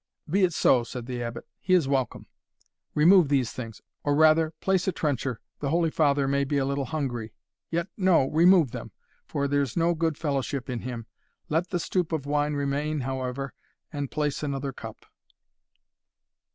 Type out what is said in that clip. "Be it so," said the Abbot, "he is welcome, remove these things or rather, place a trencher, the holy father may be a little hungry yet, no remove them, for there is no good fellowship in him Let the stoup of wine remain, however, and place another cup."